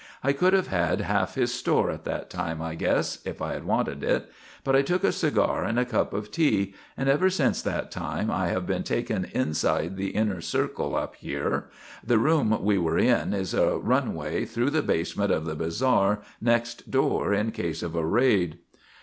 I could have had half his store at that time, I guess, if I had wanted it. But I took a cigar and a cup of tea, and ever since that time I have been taken inside the inner circle up here. The room we were in is a runway through the basement of the bazaar next door in case of a raid.